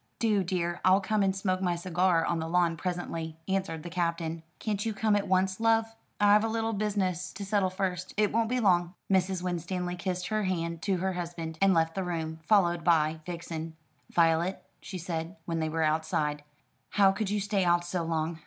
"Do, dear. I'll come and smoke my cigar on the lawn presently," answered the Captain. "Can't you come at once, love?" "I've a little bit of business to settle first. I won't be long!" Mrs. Winstanley kissed her hand to her husband, and left the room, followed by Vixen. "Violet," she said, when they were outside, "how could you stay out so long?